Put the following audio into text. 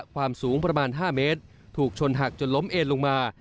ความสูงประมาณ๕เมตรถูกชนหักจนล้มเอ็นลงมา